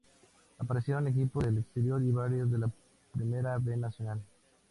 Aparecieron equipos del exterior y varios de la Primera B Nacional.